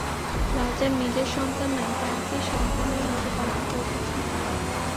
রাজার নিজের সন্তান নাই, তাহাকেই সন্তানের মতো পালন করিতেছেন।